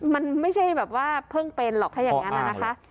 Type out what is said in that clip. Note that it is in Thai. มันไม่ใช่แบบว่าเพิ่งเป็นหรอกถ้าอย่างนั้นนะคะ